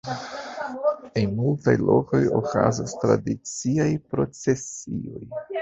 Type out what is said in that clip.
En multaj lokoj okazas tradiciaj procesioj.